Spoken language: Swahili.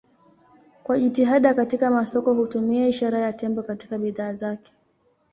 Kwa jitihada katika masoko hutumia ishara ya tembo katika bidhaa zake.